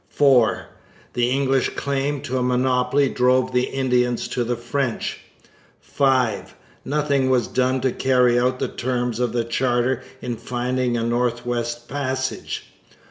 (4) The English claim to a monopoly drove the Indians to the French; (5) Nothing was done to carry out the terms of the charter in finding a North West Passage.